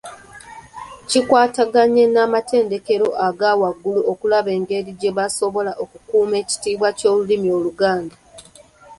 Kikwataganye n’amatendekero aga waggulu okulaba engeri gye basobola okukuuma ekitiibwa ky’olulimi Oluganda.